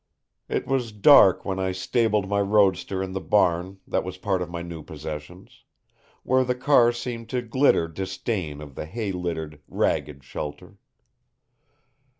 It was dark when I stabled my roadster in the barn that was part of my new possessions; where the car seemed to glitter disdain of the hay littered, ragged shelter.